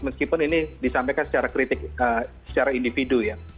meskipun ini disampaikan secara kritik secara individu ya